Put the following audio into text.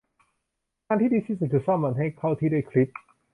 ทางที่ดีที่สุดคือซ่อมมันให้เข้าที่ด้วยคลิป